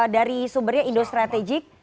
dari sumbernya indostrategic